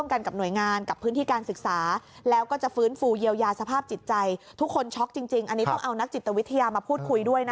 อันนี้ต้องเอานักจิตวิทยามาพูดคุยด้วยนะคะ